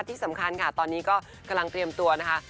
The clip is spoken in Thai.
ที่สำคัญค่ะตอนนี้ก็กำลังเตรียมตัวนะคะ